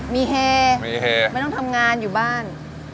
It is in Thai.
มีเฮมีเฮไม่ต้องทำงานอยู่บ้าน